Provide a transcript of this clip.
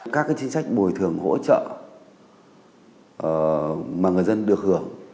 các chính sách bồi thường hỗ trợ mà người dân được hưởng